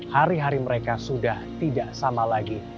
hari hari mereka sudah tidak sama lagi